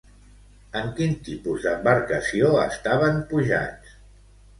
En quin tipus d'embarcació estaven pujats?